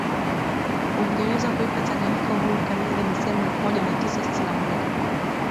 Uingereza kuipa Tanganyika uhuru kamili Disemba elfu moja Mia tisa sitini na moja